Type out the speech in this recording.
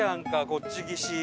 こっち岸。